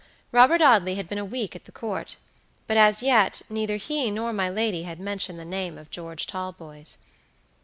Robert Audley had been a week at the Court, but as yet neither he nor my lady had mentioned the name of George Talboys.